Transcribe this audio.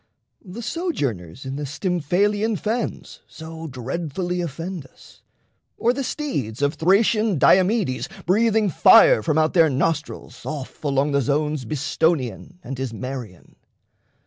The sojourners in the Stymphalian fens So dreadfully offend us, or the Steeds Of Thracian Diomedes breathing fire From out their nostrils off along the zones Bistonian and Ismarian?